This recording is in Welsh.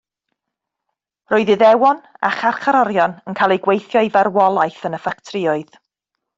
Roedd Iddewon a charcharorion yn cael eu gweithio i farwolaeth yn y ffatrïoedd